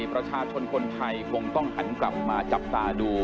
ประชาชนคนไทยคงต้องหันกลับมาจับตาดู